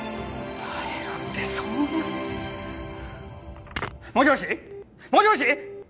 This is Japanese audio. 耐えろって、そんなもしもし？もしもし？